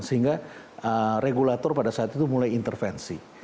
sehingga regulator pada saat itu mulai intervensi